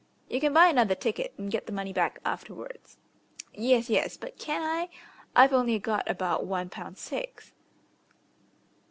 "You can buy another ticket, and get the money back afterwards." "Yes, yes; but can I? I've only got about one pound six."